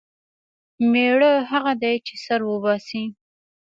مېړه هغه دی چې سر وباسي.